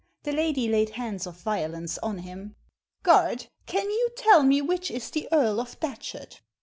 The lady laid hands of violence on him. " Guard, can you tell me which is the Earl of Datchet